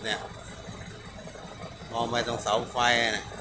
มองไปตรงเสาไฟ